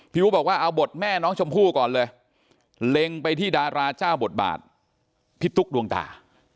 อู๋บอกว่าเอาบทแม่น้องชมพู่ก่อนเลยเล็งไปที่ดาราเจ้าบทบาทพี่ตุ๊กดวงตา